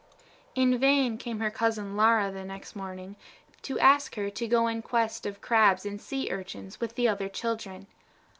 In vain came her cousin Larra, the next morning, to ask her to go in quest of crabs and sea urchins with the other children.